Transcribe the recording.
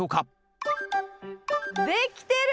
できてる。